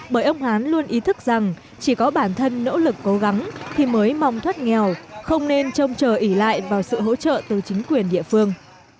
bởi ông hán luôn ý thức rằng chỉ có bản thân nỗ lực cố gắng thì mới mong thoát nghèo không nên trông chờ ỉ lại vào sự hỗ trợ từ chính quyền địa phương